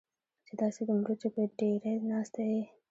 چې داسې د مرچو په ډېرۍ ناسته یې.